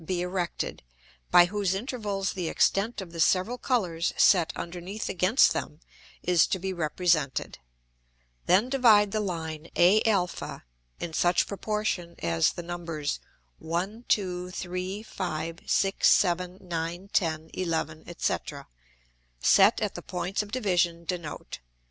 be erected, by whose Intervals the Extent of the several Colours set underneath against them, is to be represented. Then divide the Line A[Greek: a] in such Proportion as the Numbers 1, 2, 3, 5, 6, 7, 9, 10, 11, &c. set at the Points of Division denote.